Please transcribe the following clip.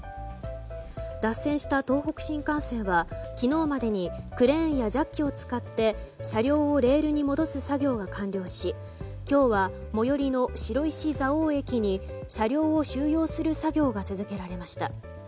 脱線した東北新幹線は昨日までにクレーンやジャッキを使って車両をレールに戻す作業が完了し今日は最寄りの白石蔵王駅に車両を収容する作業が続けられました。